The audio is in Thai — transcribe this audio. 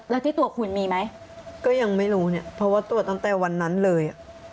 แล้วที่ตัวคุณมีไหมก็ยังไม่รู้เนี่ยเพราะว่าตรวจตั้งแต่วันนั้นเลย